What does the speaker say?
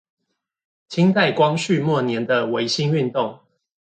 清代光緒末年的維新運動